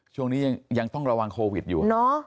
ช่วงนี้ยังต้องระวังโควิดอยู่